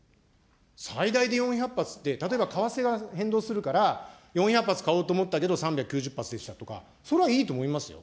最大で４００発って、例えば為替が変動するから、４００発買おうと思ったけど、３９０発でしたとか、それはいいと思いますよ。